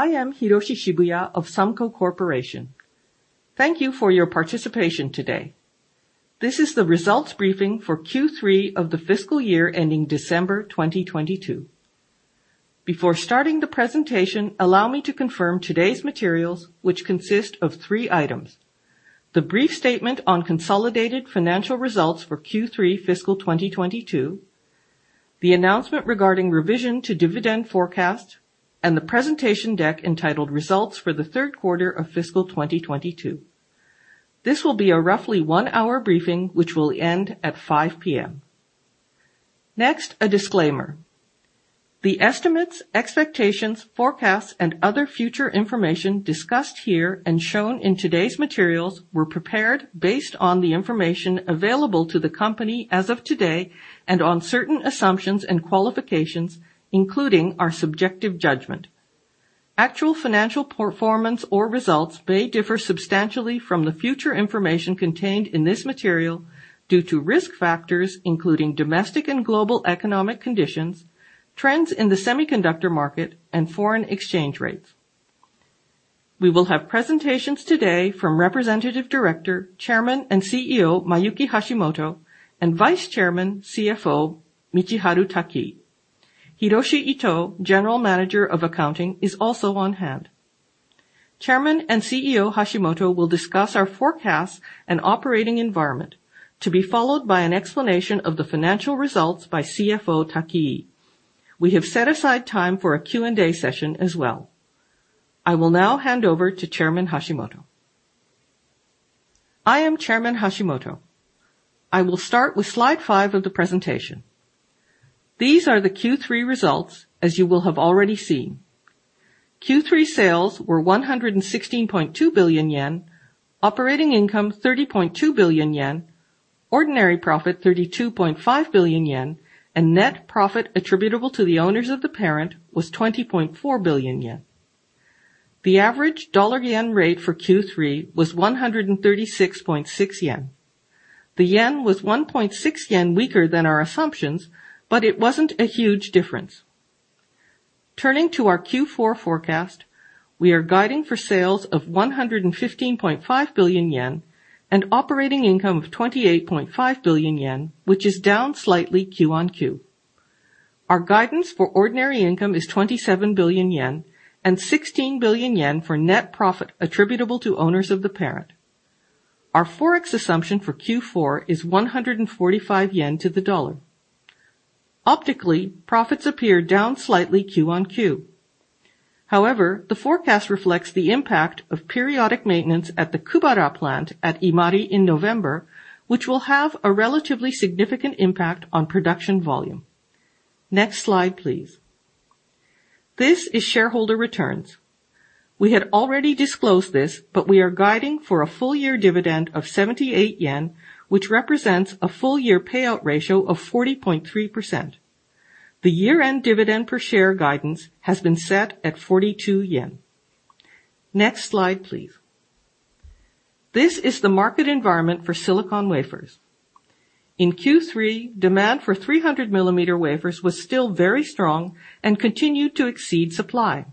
I am Hiroshi Shibuya of SUMCO Corporation. Thank you for your participation today. This is the results briefing for Q3 of the fiscal year ending December 2022. Before starting the presentation, allow me to confirm today's materials which consist of three items. The brief statement on consolidated financial results for Q3 fiscal 2022, the announcement regarding revision to dividend forecast, and the presentation deck entitled Results for the Third Quarter of Fiscal 2022. This will be a roughly one-hour briefing, which will end at 5:00 P.M. A disclaimer. The estimates, expectations, forecasts, and other future information discussed here and shown in today's materials were prepared based on the information available to the company as of today and on certain assumptions and qualifications, including our subjective judgment. Actual financial performance or results may differ substantially from the future information contained in this material due to risk factors including domestic and global economic conditions, trends in the semiconductor market, and foreign exchange rates. We will have presentations today from Representative Director, Chairman, and CEO Mayuki Hashimoto and Vice Chairman, CFO Michiharu Takii. Hiroshi Itoh, General Manager of Accounting, is also on hand. Chairman and CEO Hashimoto will discuss our forecast and operating environment, to be followed by an explanation of the financial results by CFO Takii. We have set aside time for a Q&A session as well. I will hand over to Chairman Hashimoto. I am Chairman Hashimoto. I will start with slide five of the presentation. These are the Q3 results as you will have already seen. Q3 sales were 116.2 billion yen, operating income 30.2 billion yen, ordinary profit 32.5 billion yen, and net profit attributable to the owners of the parent was 20.4 billion yen. The average dollar-yen rate for Q3 was 136.6 yen. The yen was 1.6 yen weaker than our assumptions, it wasn't a huge difference. Turning to our Q4 forecast, we are guiding for sales of 115.5 billion yen and operating income of 28.5 billion yen, which is down slightly Q-on-Q. Our guidance for ordinary income is 27 billion yen and 16 billion yen for net profit attributable to owners of the parent. Our forex assumption for Q4 is 145 yen to the dollar. Optically, profits appear down slightly Q-on-Q. The forecast reflects the impact of periodic maintenance at the Kubara plant at Imari in November, which will have a relatively significant impact on production volume. This is shareholder returns. We had already disclosed this, we are guiding for a full-year dividend of 78 yen, which represents a full-year payout ratio of 40.3%. The year-end dividend per share guidance has been set at 42 yen. This is the market environment for silicon wafers. In Q3, demand for 300 mm wafers was still very strong and continued to exceed supply.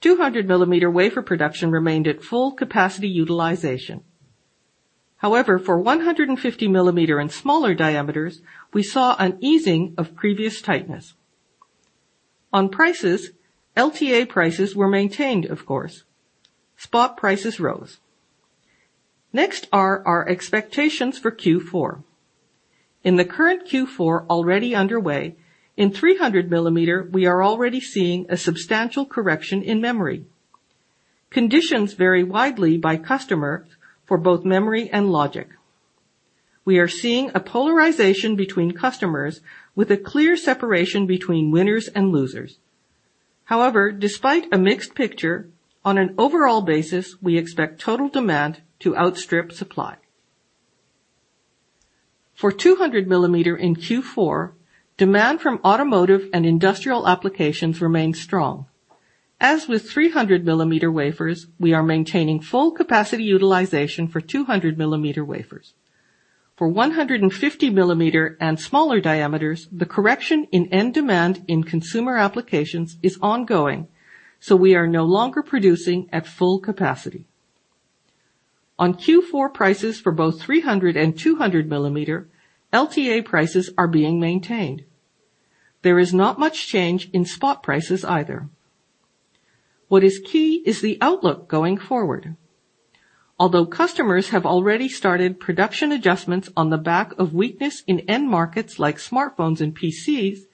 200 mm wafer production remained at full capacity utilization. For 150 mm and smaller diameters, we saw an easing of previous tightness. On prices, LTA prices were maintained, of course. Spot prices rose. Our expectations for Q4. In the current Q4 already underway, in 300 mm, we are already seeing a substantial correction in memory. Conditions vary widely by customer for both memory and logic. We are seeing a polarization between customers with a clear separation between winners and losers. Despite a mixed picture, on an overall basis, we expect total demand to outstrip supply. For 200 mm in Q4, demand from automotive and industrial applications remains strong. As with 300 mm wafers, we are maintaining full capacity utilization for 200 mm wafers. For 150 mm and smaller diameters, the correction in end demand in consumer applications is ongoing, so we are no longer producing at full capacity. On Q4 prices for both 300 mm and 200 mm, LTA prices are being maintained. There is not much change in spot prices either. What is key is the outlook going forward. Customers have already started production adjustments on the back of weakness in end markets like smartphones and PCs,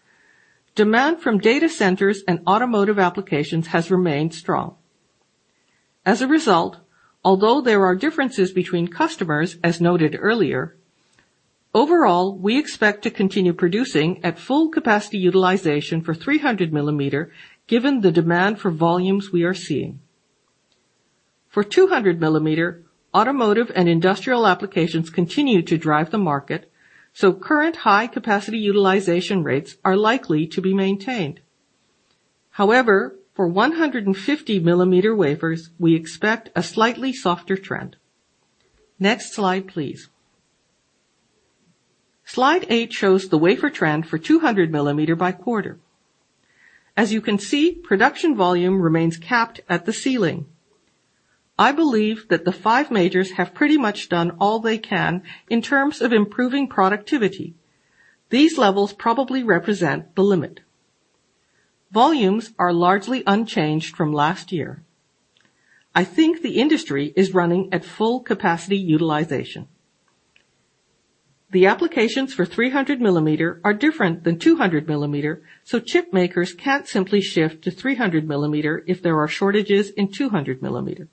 demand from data centers and automotive applications has remained strong. There are differences between customers as noted earlier, overall, we expect to continue producing at full capacity utilization for 300 mm given the demand for volumes we are seeing. For 200 mm, automotive and industrial applications continue to drive the market, so current high capacity utilization rates are likely to be maintained. For 150 mm wafers, we expect a slightly softer trend. Next slide, please. Slide eight shows the wafer trend for 200 mm by quarter. As you can see, production volume remains capped at the ceiling. I believe that the five majors have pretty much done all they can in terms of improving productivity. These levels probably represent the limit. Volumes are largely unchanged from last year. I think the industry is running at full capacity utilization. The applications for 300 mm are different than 200 mm, chip makers can't simply shift to 300 mm if there are shortages in 200 mm.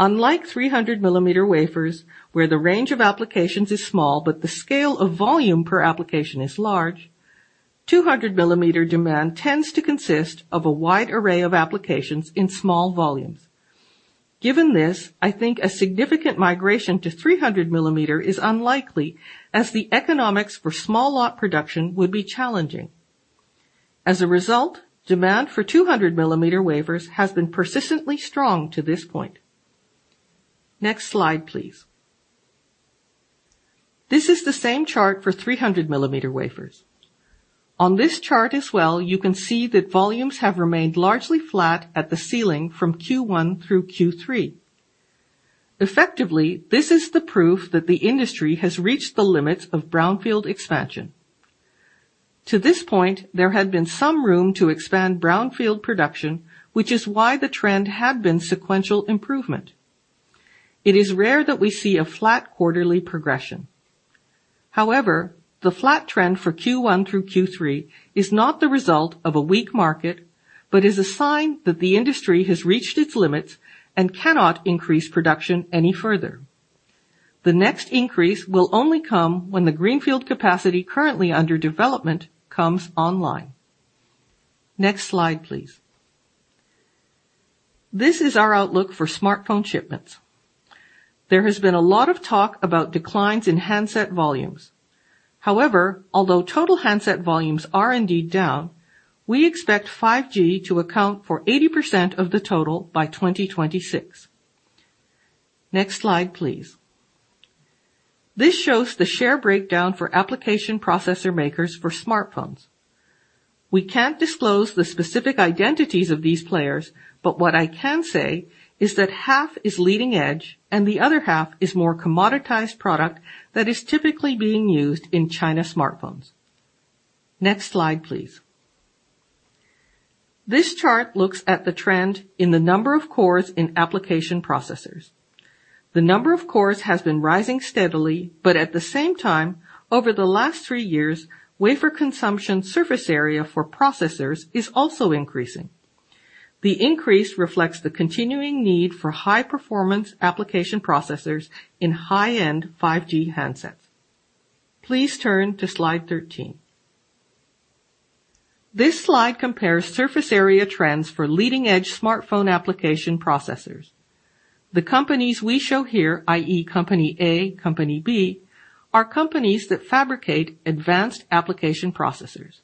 Unlike 300 mm wafers, where the range of applications is small but the scale of volume per application is large, 200 mm demand tends to consist of a wide array of applications in small volumes. Given this, I think a significant migration to 300 mm is unlikely, as the economics for small lot production would be challenging. Demand for 200 mm wafers has been persistently strong to this point. Next slide, please. This is the same chart for 300 mm wafers. On this chart as well, you can see that volumes have remained largely flat at the ceiling from Q1 through Q3. Effectively, this is the proof that the industry has reached the limits of brownfield expansion. To this point, there had been some room to expand brownfield production, which is why the trend had been sequential improvement. It is rare that we see a flat quarterly progression. The flat trend for Q1 through Q3 is not the result of a weak market, but is a sign that the industry has reached its limits and cannot increase production any further. The next increase will only come when the greenfield capacity currently under development comes online. Next slide, please. This is our outlook for smartphone shipments. There has been a lot of talk about declines in handset volumes. Total handset volumes are indeed down, we expect 5G to account for 80% of the total by 2026. Next slide, please. This shows the share breakdown for application processor makers for smartphones. We can't disclose the specific identities of these players, but what I can say is that half is leading edge and the other half is more commoditized product that is typically being used in China smartphones. Next slide, please. This chart looks at the trend in the number of cores in application processors. The number of cores has been rising steadily, but at the same time, over the last three years, wafer consumption surface area for processors is also increasing. The increase reflects the continuing need for high-performance application processors in high-end 5G handsets. Please turn to slide 13. This slide compares surface area trends for leading-edge smartphone application processors. The companies we show here, i.e., company A, company B, are companies that fabricate advanced application processors.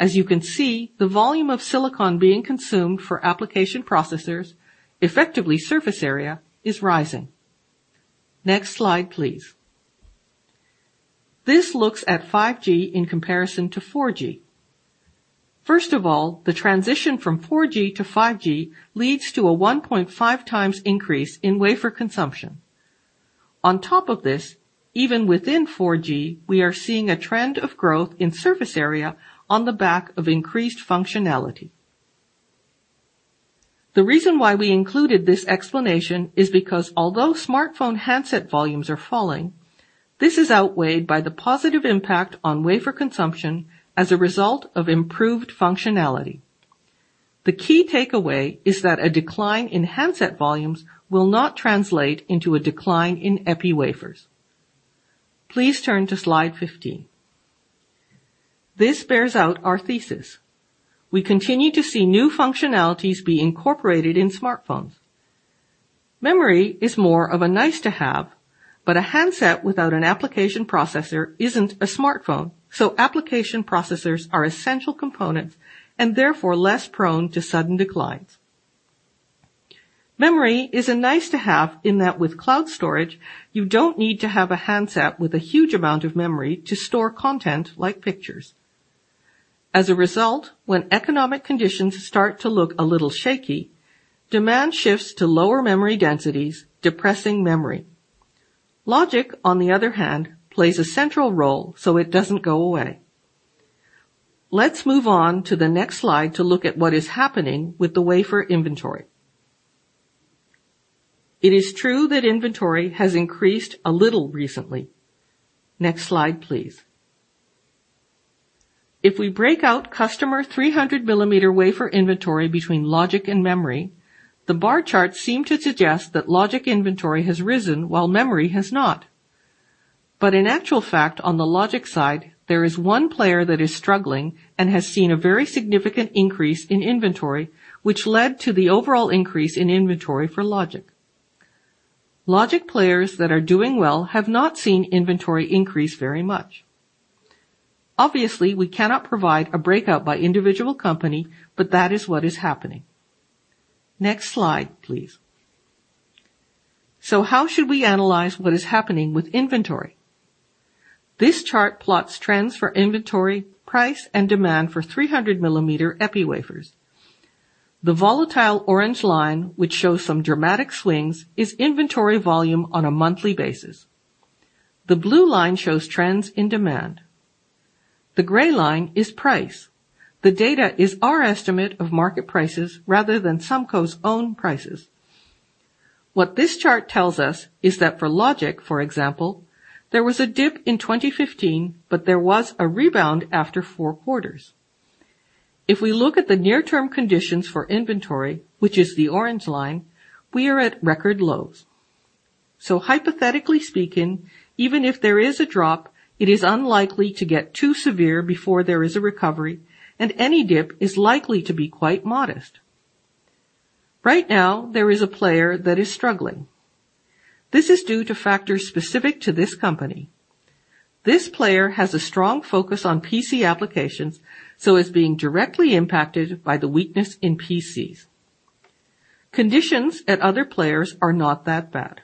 As you can see, the volume of silicon being consumed for application processors, effectively surface area, is rising. Next slide, please. This looks at 5G in comparison to 4G. First of all, the transition from 4G to 5G leads to a 1.5 times increase in wafer consumption. On top of this, even within 4G, we are seeing a trend of growth in surface area on the back of increased functionality. The reason why we included this explanation is because although smartphone handset volumes are falling, this is outweighed by the positive impact on wafer consumption as a result of improved functionality. The key takeaway is that a decline in handset volumes will not translate into a decline in epi wafers. Please turn to slide 15. This bears out our thesis. We continue to see new functionalities be incorporated in smartphones. Memory is more of a nice-to-have, but a handset without an application processor isn't a smartphone, so application processors are essential components and therefore less prone to sudden declines. Memory is a nice-to-have in that with cloud storage, you don't need to have a handset with a huge amount of memory to store content like pictures. As a result, when economic conditions start to look a little shaky, demand shifts to lower memory densities, depressing memory. Logic, on the other hand, plays a central role, so it doesn't go away. Let's move on to the next slide to look at what is happening with the wafer inventory. It is true that inventory has increased a little recently. Next slide, please. If we break out customer 300 mm wafer inventory between logic and memory, the bar charts seem to suggest that logic inventory has risen while memory has not. But in actual fact, on the logic side, there is one player that is struggling and has seen a very significant increase in inventory, which led to the overall increase in inventory for logic. Logic players that are doing well have not seen inventory increase very much. Obviously, we cannot provide a breakout by individual company, but that is what is happening. Next slide, please. So how should we analyze what is happening with inventory? This chart plots trends for inventory, price, and demand for 300 mm epi wafers. The volatile orange line, which shows some dramatic swings, is inventory volume on a monthly basis. The blue line shows trends in demand. The gray line is price. The data is our estimate of market prices rather than SUMCO's own prices. What this chart tells us is that for logic, for example, there was a dip in 2015, but there was a rebound after four quarters. If we look at the near-term conditions for inventory, which is the orange line, we are at record lows. Hypothetically speaking, even if there is a drop, it is unlikely to get too severe before there is a recovery, and any dip is likely to be quite modest. Right now, there is a player that is struggling. This is due to factors specific to this company. This player has a strong focus on PC applications, so is being directly impacted by the weakness in PCs. Conditions at other players are not that bad.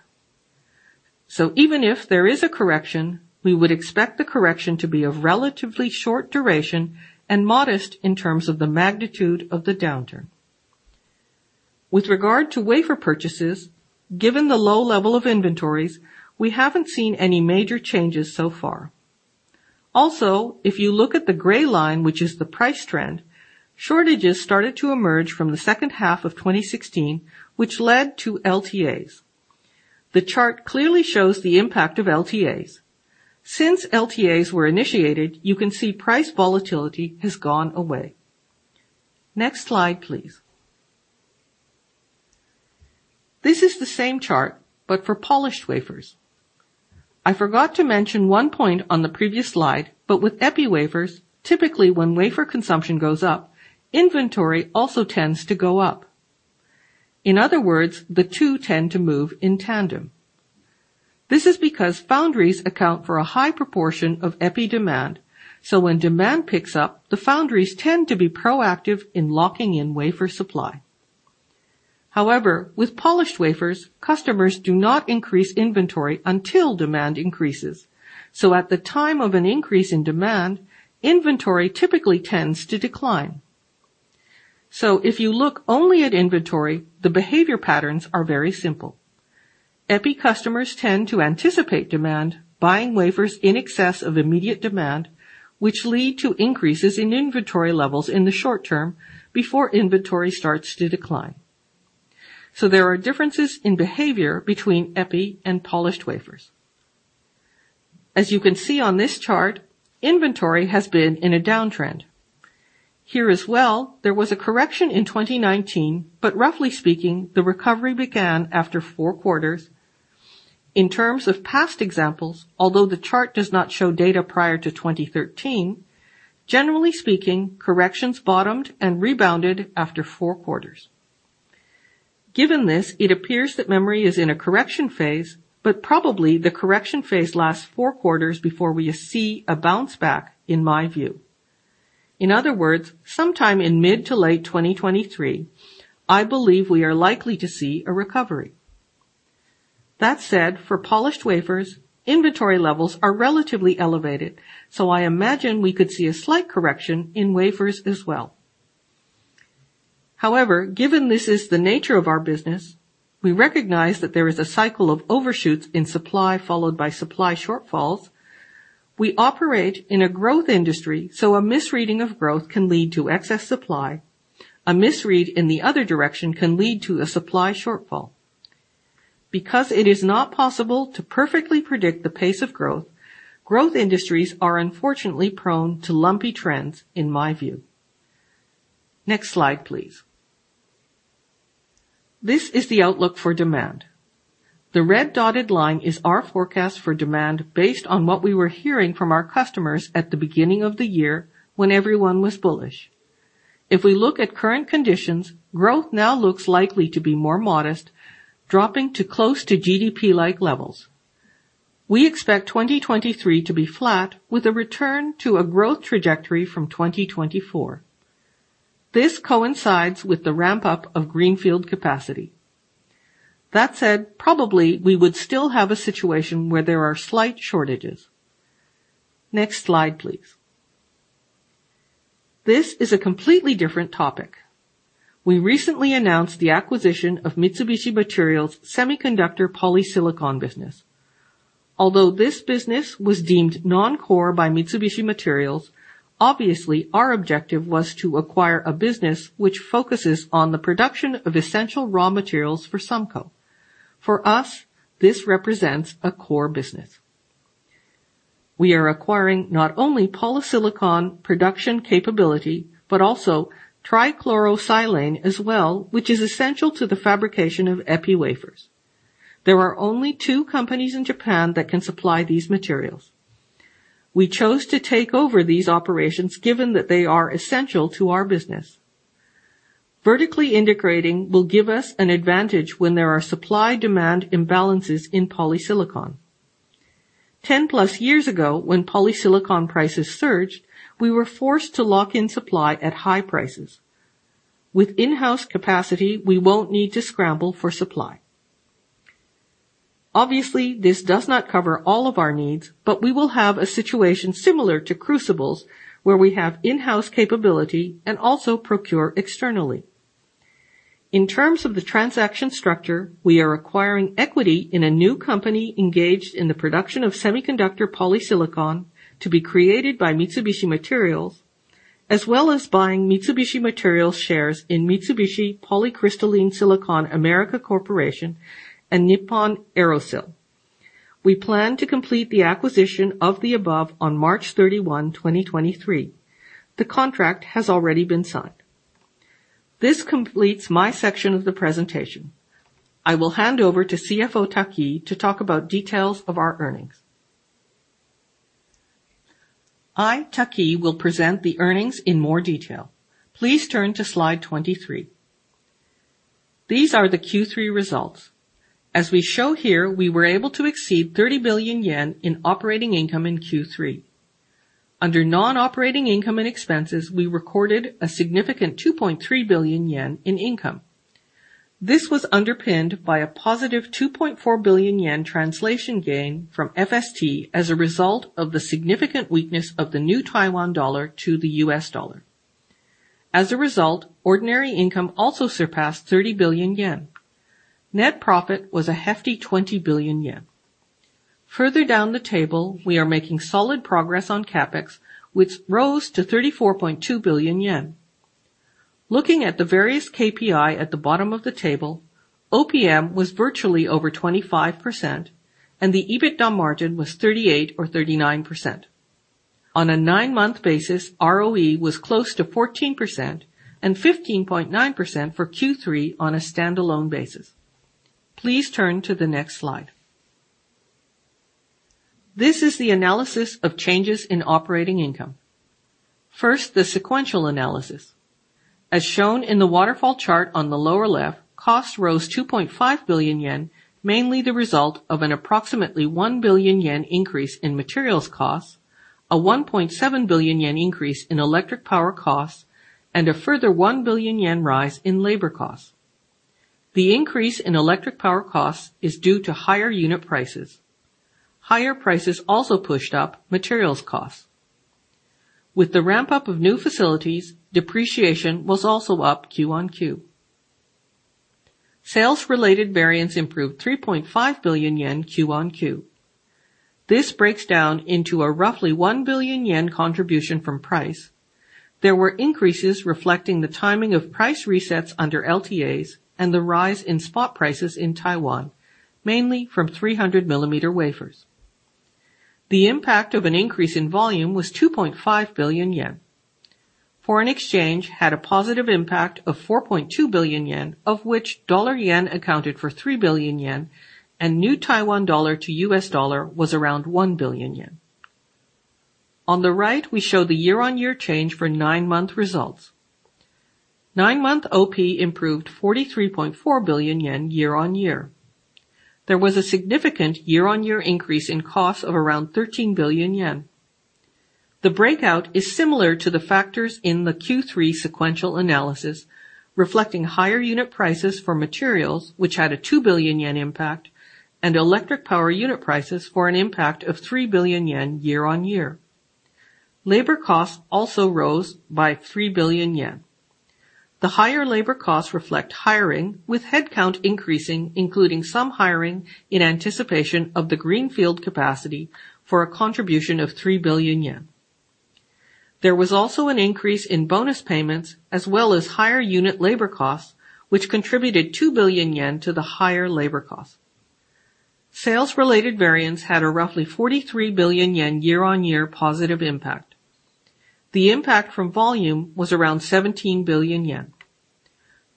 Even if there is a correction, we would expect the correction to be of relatively short duration and modest in terms of the magnitude of the downturn. With regard to wafer purchases, given the low level of inventories, we haven't seen any major changes so far. If you look at the gray line, which is the price trend, shortages started to emerge from the second half of 2016, which led to LTAs. The chart clearly shows the impact of LTAs. Since LTAs were initiated, you can see price volatility has gone away. Next slide, please. This is the same chart, but for polished wafers. I forgot to mention one point on the previous slide, but with epi wafers, typically, when wafer consumption goes up, inventory also tends to go up. In other words, the two tend to move in tandem. This is because foundries account for a high proportion of epi demand. When demand picks up, the foundries tend to be proactive in locking in wafer supply. However, with polished wafers, customers do not increase inventory until demand increases. At the time of an increase in demand, inventory typically tends to decline. If you look only at inventory, the behavior patterns are very simple. Epi customers tend to anticipate demand, buying wafers in excess of immediate demand, which lead to increases in inventory levels in the short term before inventory starts to decline. There are differences in behavior between epi and polished wafers. As you can see on this chart, inventory has been in a downtrend. Here as well, there was a correction in 2019, but roughly speaking, the recovery began after four quarters. In terms of past examples, although the chart does not show data prior to 2013, generally speaking, corrections bottomed and rebounded after four quarters. Given this, it appears that memory is in a correction phase, but probably the correction phase lasts four quarters before we see a bounce-back, in my view. In other words, sometime in mid to late 2023, I believe we are likely to see a recovery. That said, for polished wafers, inventory levels are relatively elevated, so I imagine we could see a slight correction in wafers as well. However, given this is the nature of our business, we recognize that there is a cycle of overshoots in supply followed by supply shortfalls. We operate in a growth industry, so a misreading of growth can lead to excess supply. A misread in the other direction can lead to a supply shortfall. Because it is not possible to perfectly predict the pace of growth industries are unfortunately prone to lumpy trends, in my view. Next slide, please. This is the outlook for demand. The red dotted line is our forecast for demand based on what we were hearing from our customers at the beginning of the year when everyone was bullish. If we look at current conditions, growth now looks likely to be more modest, dropping to close to GDP-like levels. We expect 2023 to be flat with a return to a growth trajectory from 2024. This coincides with the ramp-up of greenfield capacity. That said, probably we would still have a situation where there are slight shortages. Next slide, please. This is a completely different topic. We recently announced the acquisition of Mitsubishi Materials semiconductor polysilicon business. Although this business was deemed non-core by Mitsubishi Materials, obviously, our objective was to acquire a business which focuses on the production of essential raw materials for SUMCO. For us, this represents a core business. We are acquiring not only polysilicon production capability, but also trichlorosilane as well, which is essential to the fabrication of epi wafers. There are only two companies in Japan that can supply these materials. We chose to take over these operations given that they are essential to our business. Vertically integrating will give us an advantage when there are supply-demand imbalances in polysilicon. 10 plus years ago, when polysilicon prices surged, we were forced to lock in supply at high prices. With in-house capacity, we won't need to scramble for supply. Obviously, this does not cover all of our needs, but we will have a situation similar to crucibles, where we have in-house capability and also procure externally. In terms of the transaction structure, we are acquiring equity in a new company engaged in the production of semiconductor polysilicon to be created by Mitsubishi Materials, as well as buying Mitsubishi Materials shares in Mitsubishi Polycrystalline Silicon America Corporation and Nippon Aerosil. We plan to complete the acquisition of the above on March 31, 2023. The contract has already been signed. This completes my section of the presentation. I will hand over to CFO Taki to talk about details of our earnings. I, Takii, will present the earnings in more detail. Please turn to Slide 23. These are the Q3 results. As we show here, we were able to exceed 30 billion yen in operating income in Q3. Under non-operating income and expenses, we recorded a significant 2.3 billion yen in income. This was underpinned by a positive 2.4 billion yen translation gain from FST as a result of the significant weakness of the new TWD to the USD. As a result, ordinary income also surpassed 30 billion yen. Net profit was a hefty 20 billion yen. Further down the table, we are making solid progress on CapEx, which rose to 34.2 billion yen. Looking at the various KPI at the bottom of the table, OPM was virtually over 25%, and the EBITDA margin was 38% or 39%. On a nine-month basis, ROE was close to 14% and 15.9% for Q3 on a standalone basis. Please turn to the next slide. This is the analysis of changes in operating income. First, the sequential analysis. As shown in the waterfall chart on the lower left, cost rose 2.5 billion yen, mainly the result of an approximately 1 billion yen increase in materials costs, a 1.7 billion yen increase in electric power costs, and a further 1 billion yen rise in labor costs. The increase in electric power costs is due to higher unit prices. Higher prices also pushed up materials costs. With the ramp-up of new facilities, depreciation was also up Q-on-Q. Sales-related variance improved 3.5 billion yen Q-on-Q. This breaks down into a roughly 1 billion yen contribution from price. There were increases reflecting the timing of price resets under LTAs and the rise in spot prices in Taiwan, mainly from 300 mm wafers. The impact of an increase in volume was 2.2 billion yen. Foreign exchange had a positive impact of 4.2 billion yen, of which dollar/yen accounted for 3 billion yen and New Taiwan dollar to US dollar was around 1 billion yen. On the right, we show the year-on-year change for nine-month results. Nine-month OP improved 43.4 billion yen year-on-year. There was a significant year-on-year increase in costs of around 13 billion yen. The breakout is similar to the factors in the Q3 sequential analysis, reflecting higher unit prices for materials, which had a 2 billion yen impact, and electric power unit prices for an impact of 3 billion yen year-on-year. Labor costs also rose by 3 billion yen. The higher labor costs reflect hiring, with headcount increasing, including some hiring in anticipation of the greenfield capacity for a contribution of 3 billion yen. There was also an increase in bonus payments as well as higher unit labor costs, which contributed 2 billion yen to the higher labor cost. Sales-related variance had a roughly 43 billion yen year-on-year positive impact. The impact from volume was around 17 billion yen.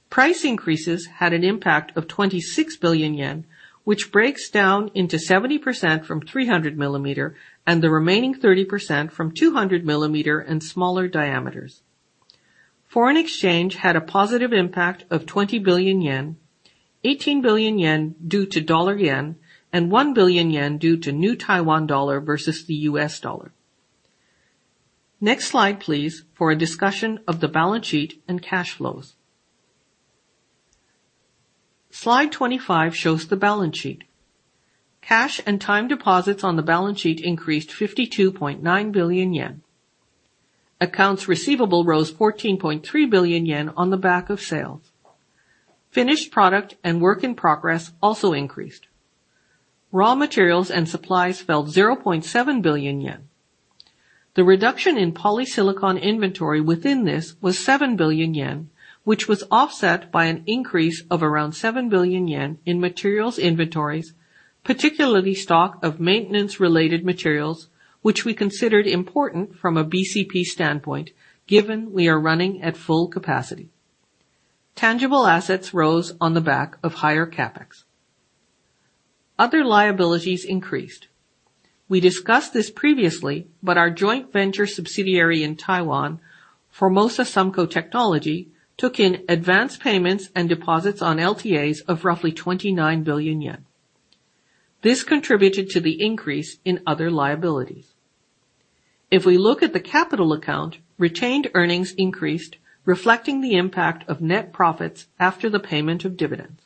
Price increases had an impact of 26 billion yen, which breaks down into 70% from 300 mm and the remaining 30% from 200 mm and smaller diameters. Foreign exchange had a positive impact of 20 billion yen, 18 billion yen due to dollar/yen and 1 billion yen due to New Taiwan dollar versus the US dollar. Next slide, please, for a discussion of the balance sheet and cash flows. Slide 25 shows the balance sheet. Cash and time deposits on the balance sheet increased 52.9 billion yen. Accounts receivable rose 14.3 billion yen on the back of sales. Finished product and work in progress also increased. Raw materials and supplies fell 0.7 billion yen. The reduction in polysilicon inventory within this was 7 billion yen, which was offset by an increase of around 7 billion yen in materials inventories, particularly stock of maintenance-related materials, which we considered important from a BCP standpoint, given we are running at full capacity. Tangible assets rose on the back of higher CapEx. Other liabilities increased. We discussed this previously, but our joint venture subsidiary in Taiwan, Formosa Sumco Technology, took in advance payments and deposits on LTAs of roughly 29 billion yen. This contributed to the increase in other liabilities. If we look at the capital account, retained earnings increased, reflecting the impact of net profits after the payment of dividends.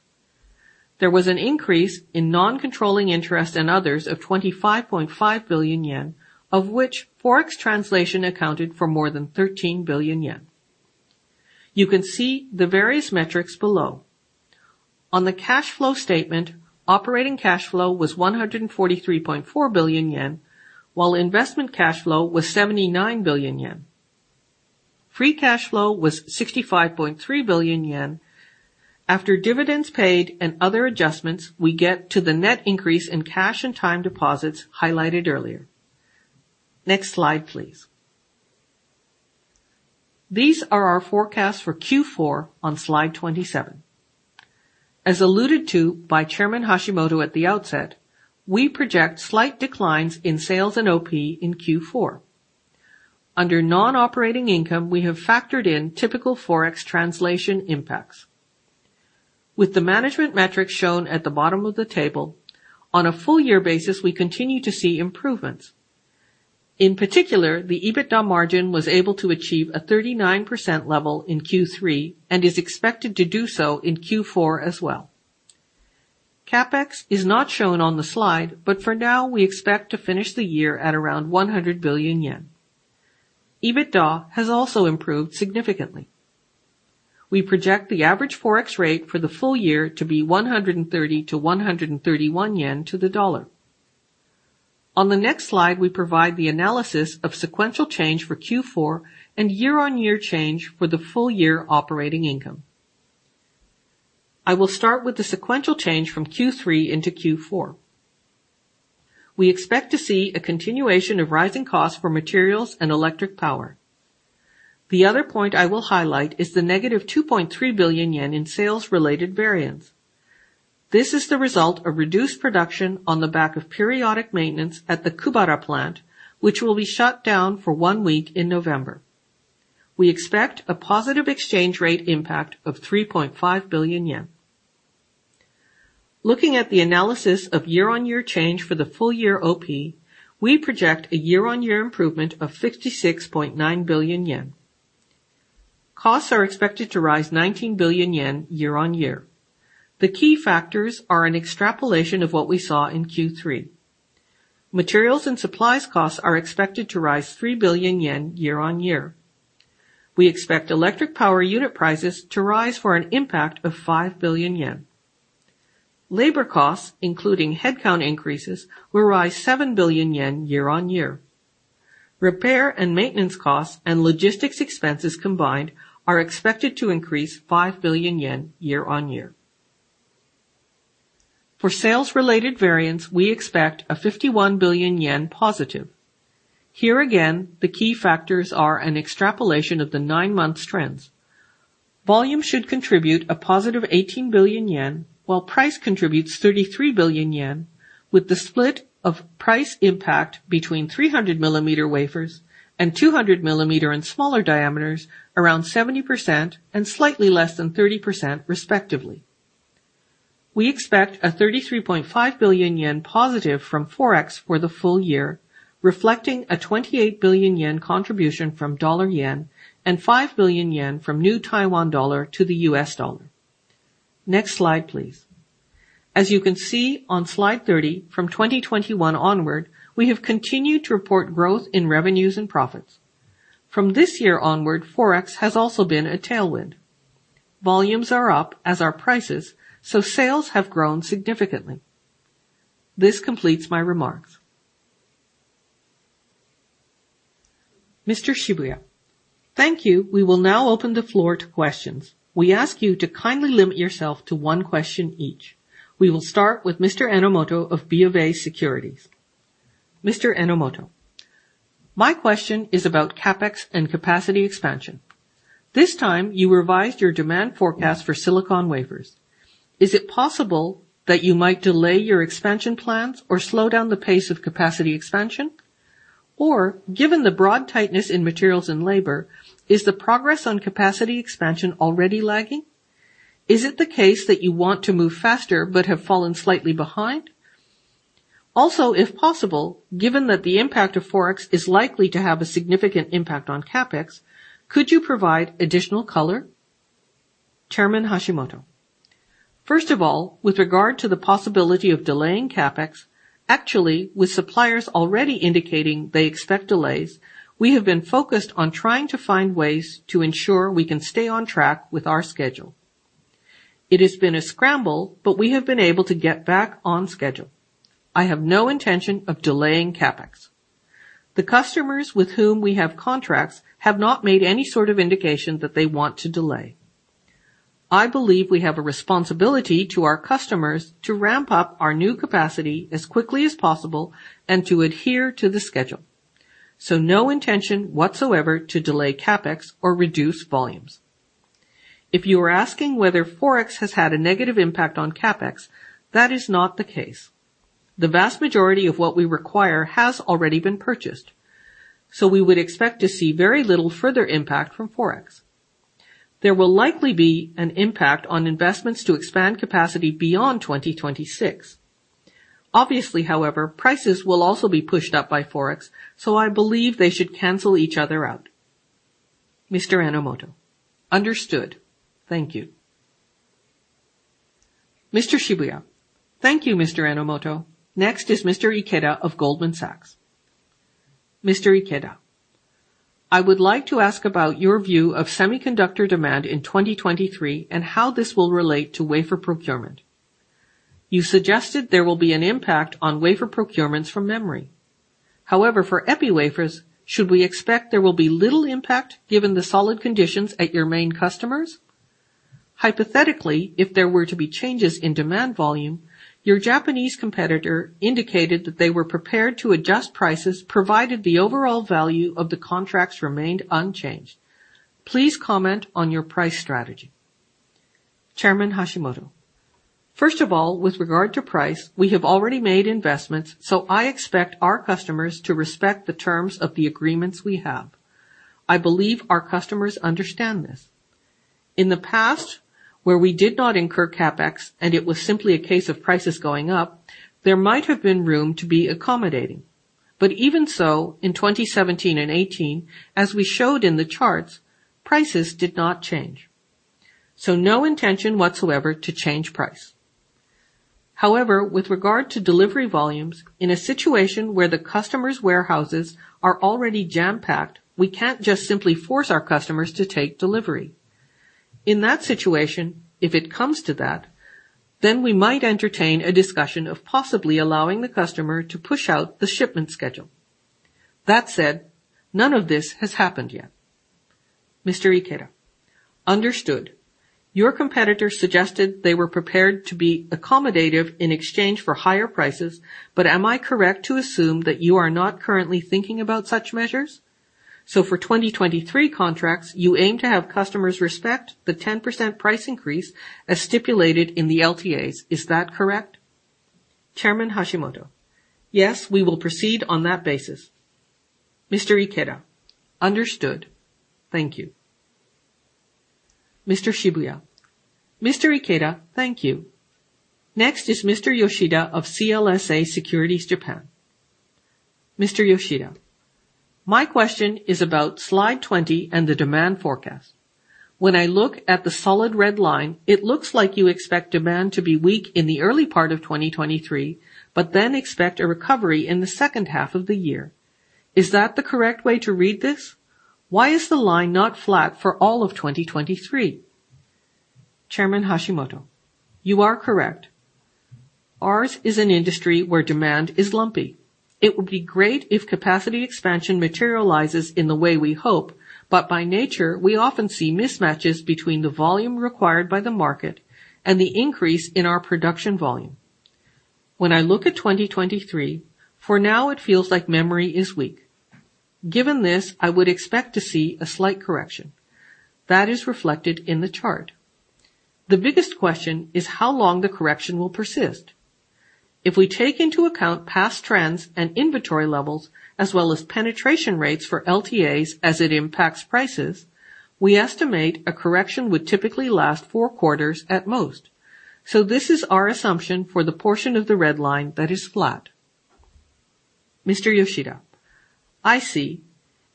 There was an increase in non-controlling interest and others of 25.5 billion yen, of which Forex translation accounted for more than 13 billion yen. You can see the various metrics below. On the cash flow statement, operating cash flow was 143.4 billion yen, while investment cash flow was 79 billion yen. Free cash flow was 65.3 billion yen. After dividends paid and other adjustments, we get to the net increase in cash and time deposits highlighted earlier. Next slide, please. These are our forecasts for Q4 on slide 27. As alluded to by Chairman Hashimoto at the outset, we project slight declines in sales and OP in Q4. Under non-operating income, we have factored in typical Forex translation impacts. With the management metrics shown at the bottom of the table, on a full year basis, we continue to see improvements. In particular, the EBITDA margin was able to achieve a 39% level in Q3 and is expected to do so in Q4 as well. CapEx is not shown on the slide, but for now, we expect to finish the year at around 100 billion yen. EBITDA has also improved significantly. We project the average Forex rate for the full year to be 130 to 131 yen to the dollar. On the next slide, we provide the analysis of sequential change for Q4 and year-on-year change for the full year operating income. I will start with the sequential change from Q3 into Q4. We expect to see a continuation of rising costs for materials and electric power. The other point I will highlight is the negative 2.3 billion yen in sales-related variance. This is the result of reduced production on the back of periodic maintenance at the Kubara plant, which will be shut down for one week in November. We expect a positive exchange rate impact of 3.5 billion yen. Looking at the analysis of year-on-year change for the full year OP, we project a year-on-year improvement of 56.9 billion yen. Costs are expected to rise 19 billion yen year-on-year. The key factors are an extrapolation of what we saw in Q3. Materials and supplies costs are expected to rise 3 billion yen year-on-year. We expect electric power unit prices to rise for an impact of 5 billion yen. Labor costs, including headcount increases, will rise 7 billion yen year-on-year. Repair and maintenance costs and logistics expenses combined are expected to increase 5 billion yen year-on-year. For sales-related variance, we expect a 51 billion yen positive. Here again, the key factors are an extrapolation of the nine months trends. Volume should contribute a positive 18 billion yen, while price contributes 33 billion yen with the split of price impact between 300 millimeter wafers and 200 millimeter and smaller diameters around 70% and slightly less than 30% respectively. We expect a 33.5 billion yen positive from Forex for the full year, reflecting a 28 billion yen contribution from USD/JPY and 5 billion yen from TWD to the USD. Next slide, please. As you can see on slide 30, from 2021 onward, we have continued to report growth in revenues and profits. From this year onward, Forex has also been a tailwind. Volumes are up, as are prices, sales have grown significantly. This completes my remarks. Mr. Shibuya. Thank you. We will now open the floor to questions. We ask you to kindly limit yourself to one question each. We will start with Enomoto of BofA Securities. Enomoto. My question is about CapEx and capacity expansion. This time you revised your demand forecast for silicon wafers. Is it possible that you might delay your expansion plans or slow down the pace of capacity expansion? Given the broad tightness in materials and labor, is the progress on capacity expansion already lagging? Is it the case that you want to move faster but have fallen slightly behind? Also, if possible, given that the impact of Forex is likely to have a significant impact on CapEx, could you provide additional color? Hashimoto. First of all, with regard to the possibility of delaying CapEx, actually, with suppliers already indicating they expect delays, we have been focused on trying to find ways to ensure we can stay on track with our schedule. It has been a scramble, but we have been able to get back on schedule. I have no intention of delaying CapEx. The customers with whom we have contracts have not made any sort of indication that they want to delay. I believe we have a responsibility to our customers to ramp up our new capacity as quickly as possible and to adhere to the schedule. No intention whatsoever to delay CapEx or reduce volumes. If you are asking whether Forex has had a negative impact on CapEx, that is not the case. The vast majority of what we require has already been purchased. We would expect to see very little further impact from Forex. There will likely be an impact on investments to expand capacity beyond 2026. Obviously, however, prices will also be pushed up by Forex, so I believe they should cancel each other out. Enomoto. Understood. Thank you. Shibuya. Thank you, Enomoto. Next is Ikeda of Goldman Sachs. Ikeda. I would like to ask about your view of semiconductor demand in 2023 and how this will relate to wafer procurement. You suggested there will be an impact on wafer procurements from memory. However, for epi wafers, should we expect there will be little impact given the solid conditions at your main customers? Hypothetically, if there were to be changes in demand volume, your Japanese competitor indicated that they were prepared to adjust prices provided the overall value of the contracts remained unchanged. Please comment on your price strategy. Hashimoto. First of all, with regard to price, we have already made investments, so I expect our customers to respect the terms of the agreements we have. I believe our customers understand this. Even so, in 2017 and 2018, as we showed in the charts, prices did not change. No intention whatsoever to change price. With regard to delivery volumes, in a situation where the customer's warehouses are already jam-packed, we can't just simply force our customers to take delivery. In that situation, if it comes to that, we might entertain a discussion of possibly allowing the customer to push out the shipment schedule. That said, none of this has happened yet. Mr. Ikeda. Understood. Your competitor suggested they were prepared to be accommodative in exchange for higher prices. Am I correct to assume that you are not currently thinking about such measures? For 2023 contracts, you aim to have customers respect the 10% price increase as stipulated in the LTAs. Is that correct? Chairman Hashimoto. Yes, we will proceed on that basis. Mr. Ikeda. Understood. Thank you. Mr. Shibuya. Mr. Ikeda, thank you. Next is Mr. Yoshida of CLSA Securities Japan. Mr. Yoshida. My question is about slide 20 and the demand forecast. When I look at the solid red line, it looks like you expect demand to be weak in the early part of 2023. Then expect a recovery in the second half of the year. Is that the correct way to read this? Why is the line not flat for all of 2023? Chairman Hashimoto. You are correct. Ours is an industry where demand is lumpy. It would be great if capacity expansion materializes in the way we hope. By nature, we often see mismatches between the volume required by the market and the increase in our production volume. When I look at 2023, for now it feels like memory is weak. Given this, I would expect to see a slight correction. That is reflected in the chart. The biggest question is how long the correction will persist. If we take into account past trends and inventory levels, as well as penetration rates for LTAs as it impacts prices, we estimate a correction would typically last four quarters at most. This is our assumption for the portion of the red line that is flat. Mr. Yoshida. I see.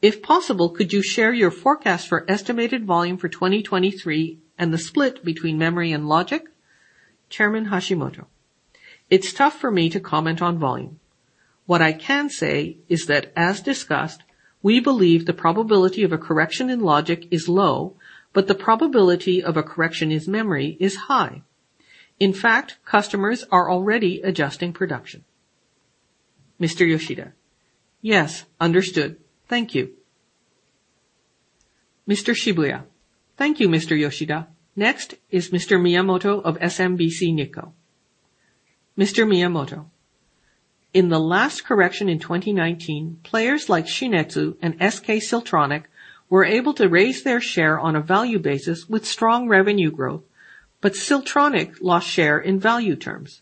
If possible, could you share your forecast for estimated volume for 2023 and the split between memory and logic? Chairman Hashimoto. It's tough for me to comment on volume. What I can say is that, as discussed, we believe the probability of a correction in logic is low. The probability of a correction in memory is high. In fact, customers are already adjusting production. Mr. Yoshida. Yes. Understood. Thank you. Mr. Shibuya. Thank you, Mr. Yoshida. Next is Mr. Miyamoto of SMBC Nikko. Mr. Miyamoto. In the last correction in 2019, players like Shin-Etsu and SK Siltron were able to raise their share on a value basis with strong revenue growth. But Siltronic lost share in value terms.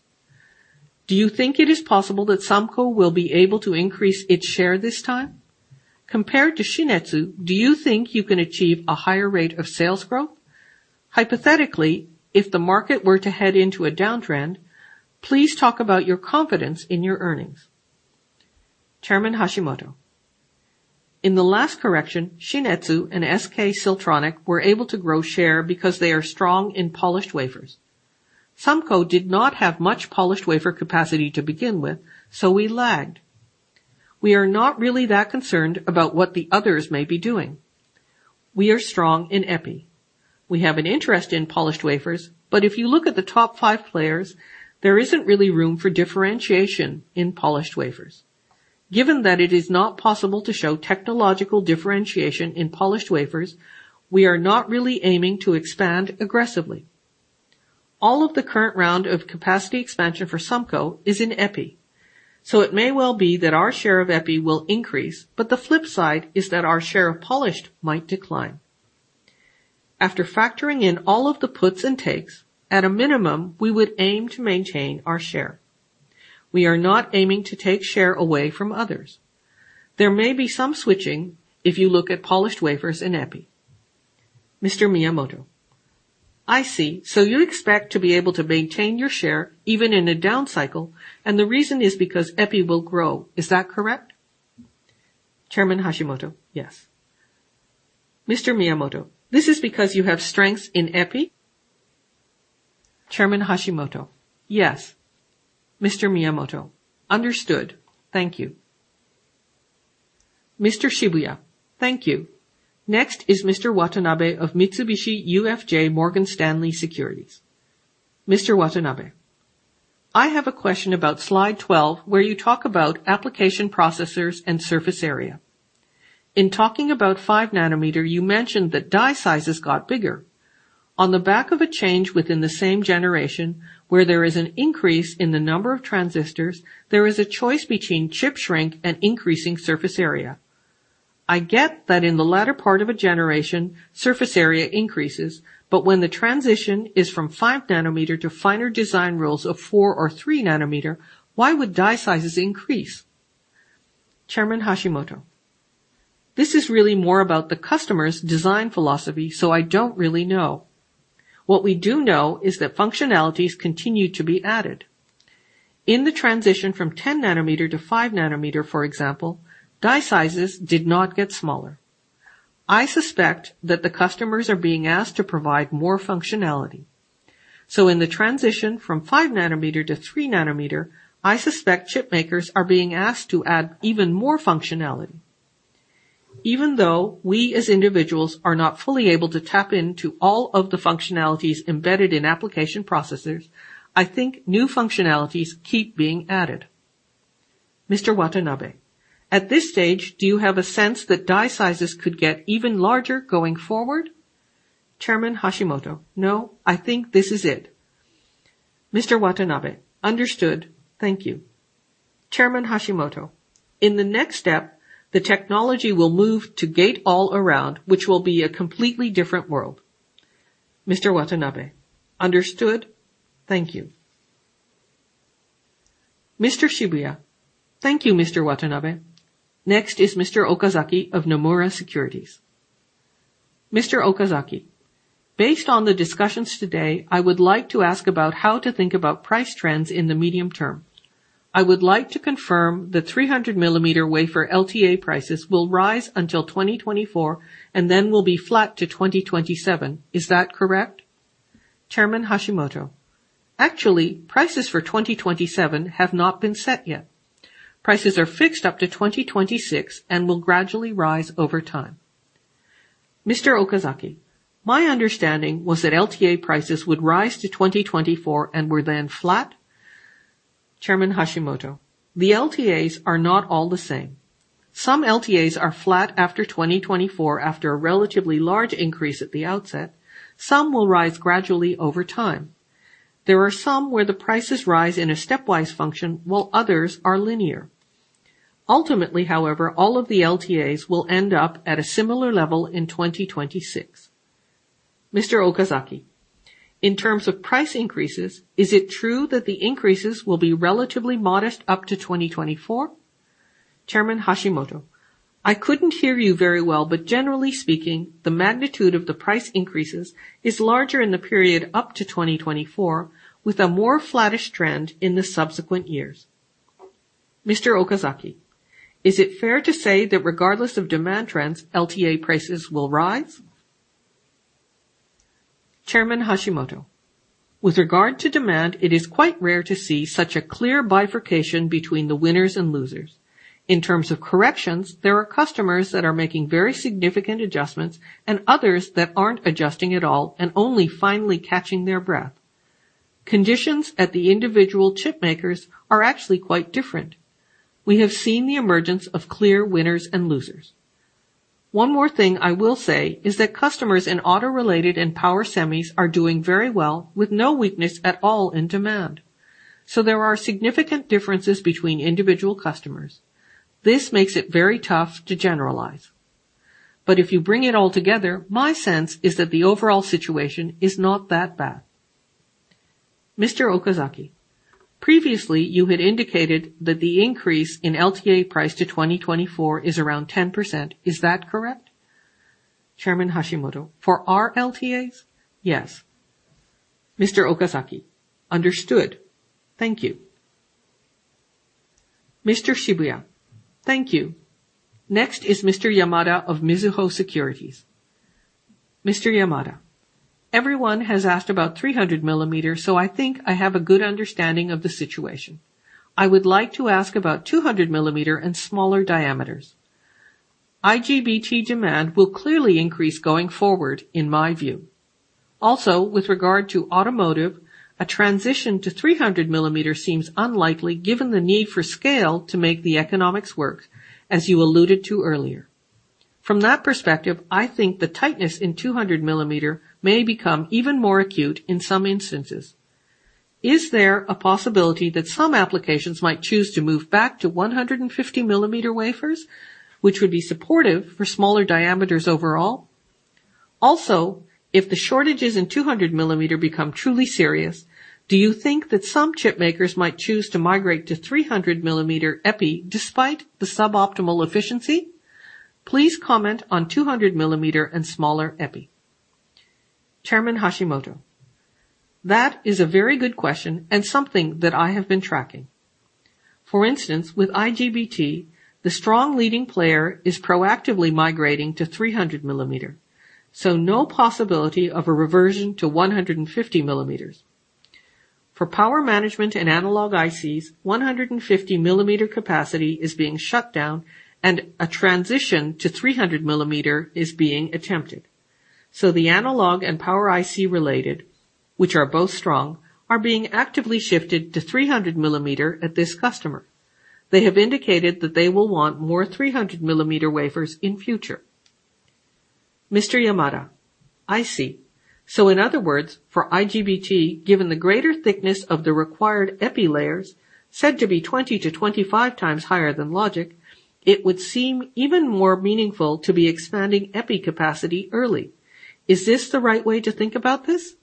Do you think it is possible that SUMCO will be able to increase its share this time? Compared to Shin-Etsu, do you think you can achieve a higher rate of sales growth? Hypothetically, if the market were to head into a downtrend, please talk about your confidence in your earnings. Chairman Hashimoto. In the last correction, Shin-Etsu and SK Siltron were able to grow share because they are strong in polished wafers. SUMCO did not have much polished wafer capacity to begin with, so we lagged. We are not really that concerned about what the others may be doing. We are strong in epi. We have an interest in polished wafers. If you look at the top five players, there isn't really room for differentiation in polished wafers. Given that it is not possible to show technological differentiation in polished wafers, we are not really aiming to expand aggressively. All of the current round of capacity expansion for SUMCO is in epi. It may well be that our share of epi will increase, but the flip side is that our share of polished might decline. After factoring in all of the puts and takes, at a minimum, we would aim to maintain our share. We are not aiming to take share away from others. There may be some switching if you look at polished wafers in epi. I see. You expect to be able to maintain your share even in a down cycle, and the reason is because epi will grow. Is that correct? Yes. This is because you have strengths in epi? Yes. Understood. Thank you. Thank you. Next is Mr. Watanabe of Morgan Stanley MUFG Securities Co., Ltd. I have a question about slide 12, where you talk about application processors and surface area. In talking about 5 nanometer, you mentioned that die sizes got bigger. On the back of a change within the same generation, where there is an increase in the number of transistors, there is a choice between chip shrink and increasing surface area. I get that in the latter part of a generation, surface area increases, but when the transition is from 5 nanometer to finer design rules of 4 or 3 nanometer, why would die sizes increase? This is really more about the customer's design philosophy, so I don't really know. What we do know is that functionalities continue to be added. In the transition from 10 nanometer to 5 nanometer, for example, die sizes did not get smaller. I suspect that the customers are being asked to provide more functionality. In the transition from 5 nanometer to 3 nanometer, I suspect chip makers are being asked to add even more functionality. Even though we, as individuals, are not fully able to tap into all of the functionalities embedded in application processors, I think new functionalities keep being added. At this stage, do you have a sense that die sizes could get even larger going forward? No, I think this is it. Understood. Thank you. In the next step, the technology will move to Gate-All-Around, which will be a completely different world. Understood. Thank you. Thank you, Mr. Watanabe. Next is Mr. Okazaki of Nomura Securities Co., Ltd. Based on the discussions today, I would like to ask about how to think about price trends in the medium term. I would like to confirm that 300 millimeter wafer LTA prices will rise until 2024 and then will be flat to 2027. Is that correct? Actually, prices for 2027 have not been set yet. Prices are fixed up to 2026 and will gradually rise over time. My understanding was that LTA prices would rise to 2024 and were then flat. The LTAs are not all the same. Some LTAs are flat after 2024 after a relatively large increase at the outset. Some will rise gradually over time. There are some where the prices rise in a stepwise function, while others are linear. Ultimately, however, all of the LTAs will end up at a similar level in 2026. Mr. Okazaki: "In terms of price increases, is it true that the increases will be relatively modest up to 2024?" Chairman Hashimoto: "I couldn't hear you very well, but generally speaking, the magnitude of the price increases is larger in the period up to 2024, with a more flattish trend in the subsequent years." Mr. Okazaki: "Is it fair to say that regardless of demand trends, LTA prices will rise?" Chairman Hashimoto: "With regard to demand, it is quite rare to see such a clear bifurcation between the winners and losers. In terms of corrections, there are customers that are making very significant adjustments and others that aren't adjusting at all and only finally catching their breath. Conditions at the individual chip makers are actually quite different. We have seen the emergence of clear winners and losers. One more thing I will say is that customers in auto-related and power semis are doing very well with no weakness at all in demand. There are significant differences between individual customers. This makes it very tough to generalize. If you bring it all together, my sense is that the overall situation is not that bad. Mr. Okazaki: "Previously, you had indicated that the increase in LTA price to 2024 is around 10%. Is that correct?" Chairman Hashimoto: "For our LTAs? Yes." Mr. Okazaki: "Understood. Thank you." Mr. Shibuya: "Thank you. Next is Mr. Yamada of Mizuho Securities." Mr. Yamada: "Everyone has asked about 300 mm, so I think I have a good understanding of the situation. I would like to ask about 200 mm and smaller diameters. IGBT demand will clearly increase going forward, in my view. Also, with regard to automotive, a transition to 300 mm seems unlikely given the need for scale to make the economics work, as you alluded to earlier. From that perspective, I think the tightness in 200 mm may become even more acute in some instances. Is there a possibility that some applications might choose to move back to 150 mm wafers, which would be supportive for smaller diameters overall? If the shortages in 200 mm become truly serious, do you think that some chip makers might choose to migrate to 300 mm epi despite the suboptimal efficiency? Please comment on 200 mm and smaller epi. Chairman Hashimoto: That is a very good question and something that I have been tracking. For instance, with IGBT, the strong leading player is proactively migrating to 300 mm, so no possibility of a reversion to 150 mm. For power management and analog ICs, 150 mm capacity is being shut down and a transition to 300 mm is being attempted. The analog and power IC related, which are both strong, are being actively shifted to 300 mm at this customer. They have indicated that they will want more 300 mm wafers in future. Mr. Yamada: I see. In other words, for IGBT, given the greater thickness of the required epi layers, said to be 20 to 25 times higher than logic, it would seem even more meaningful to be expanding epi capacity early. Is this the right way to think about this?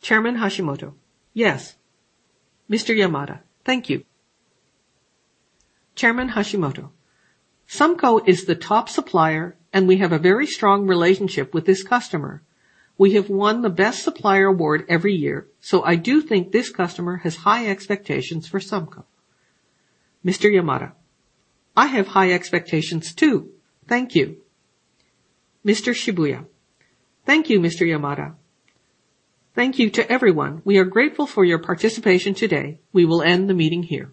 Chairman Hashimoto: Yes. Mr. Yamada: Thank you. Chairman Hashimoto: SUMCO is the top supplier, and we have a very strong relationship with this customer. We have won the best supplier award every year, so I do think this customer has high expectations for SUMCO. Mr. Yamada. I have high expectations too. Thank you. Mr. Shibuya. Thank you, Mr. Yamada. Thank you to everyone. We are grateful for your participation today. We will end the meeting here.